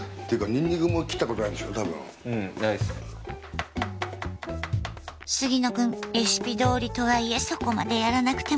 っていうか杉野くんレシピどおりとはいえそこまでやらなくても。